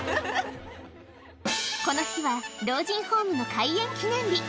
この日は老人ホームの開園記念日。